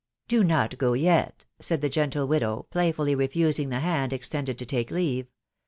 " Do not go yet," .... said the gentle widow, playfully refusing the hand extended to take leave.